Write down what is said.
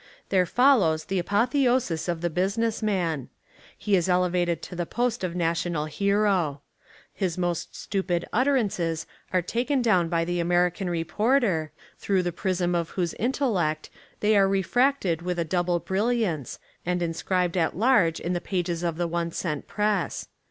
There follows the apotheosis of the business man. He is elevated to the post of national hero. His most stupid utterances are taken down by the American Reporter, through the prism of whose intellect they are refracted with a double brilliance and inscribed at large in the pages of the one cent press.